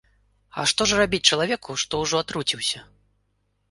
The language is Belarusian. А што ж рабіць чалавеку, што ўжо атруціўся?